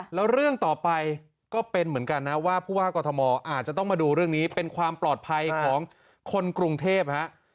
แล้วเรื่องต่อไปก็เป็นเหมือนกันนะว่าผู้ว่ากรทมอาจจะต้องมาดูเรื่องนี้เป็นความปลอดภัยของคนกรุงเทพฮะ